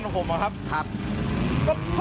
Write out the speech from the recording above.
ครับ